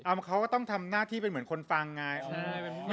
อ้าวเขาก็ต้องทำหน้าที่เป็นเหมือนคนฟังไงอ๋อใช่